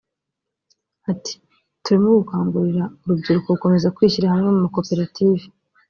Ati “Turimo gukangurira urubyiruko gukomeza kwishyira hamwe mu makoperative